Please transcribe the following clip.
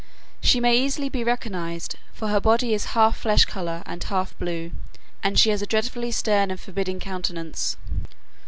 She may easily be recognized, for her body is half flesh color and half blue, and she has a dreadfully stern and forbidding countenance.